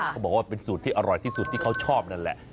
เขาบอกว่าเป็นสูตรที่อร่อยที่สุดที่เขาชอบนั่นแหละ